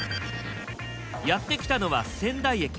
やって来たのは仙台駅。